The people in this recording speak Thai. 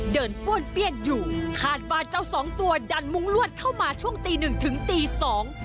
ป้วนเปี้ยนอยู่คาดว่าเจ้าสองตัวดันมุ้งลวดเข้ามาช่วงตีหนึ่งถึงตีสอง